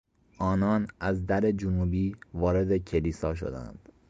آنان از در جنوبی وارد کلیسا شدند.